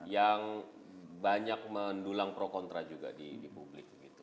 yang banyak mendulang pro kontra juga di publik